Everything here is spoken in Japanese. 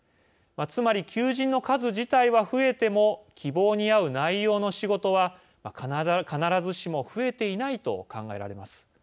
つまり、求人の数自体は増えても希望に合う内容の仕事は必ずしも増えていないと考えられます。